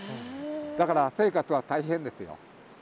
だから生活は大変ですよ。